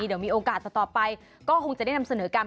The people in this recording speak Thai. เดี๋ยวมีโอกาสต่อไปก็คงจะได้นำเสนอกัน